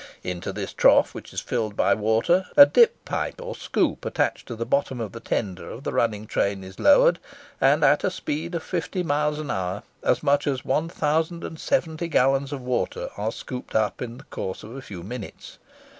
Into this trough, which is filled with water, a dip pipe or scoop attached to the bottom of the tender of the running train is lowered; and, at a speed of 50 miles an hour, as much as 1070 gallons of water are scooped up in the course of a few minutes.